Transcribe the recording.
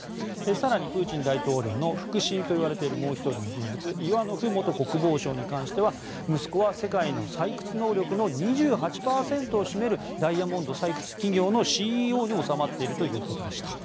更にプーチン大統領の腹心といわれているもう１人の人物イワノフ元国防相に関しては息子は世界の採掘能力の２８％を占めるダイヤモンド採掘企業のＣＥＯに収まっているということでした。